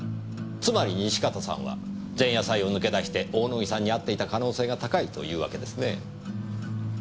つまり西片さんは前夜祭を抜け出して大野木さんに会っていた可能性が高いというわけですね。